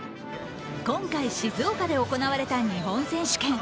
今回、静岡で行われた日本選手権。